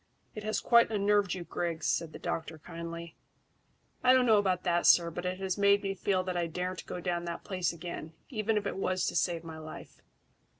"It has quite unnerved you, Griggs," said the doctor kindly. "I don't know about that, sir, but it has made me feel that I daren't go down that place again, even if it was to save my life.